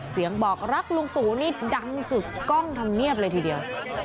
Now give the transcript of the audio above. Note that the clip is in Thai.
เสียงบอกรักลุงตูนี่ดำกึกกล้องทำเงียบเลยทีเดียว